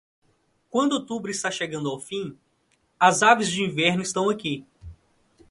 Quando outubro está chegando ao fim, as aves de inverno estão aqui.